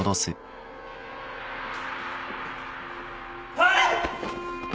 はい！